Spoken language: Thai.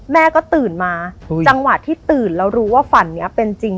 แม่ก็ตื่นมาจังหวะที่ตื่นแล้วรู้ว่าฝันนี้เป็นจริง